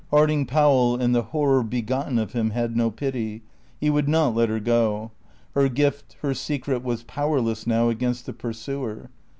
Harding Powell and the horror begotten of him had no pity; he would not let her go. Her gift, her secret, was powerless now against the pursuer.